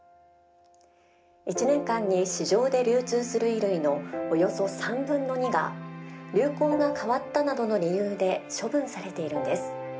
１年間に市場で流通する衣類のおよそ３分の２が流行が変わったなどの理由で処分されているんです。